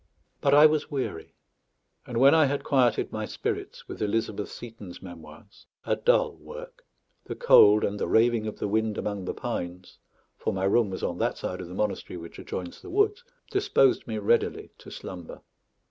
But I was weary; and when I had quieted my spirits with Elizabeth Seton's memoirs a dull work the cold and the raving of the wind among the pines (for my room was on that side of the monastery which adjoins the woods) disposed me readily to slumber.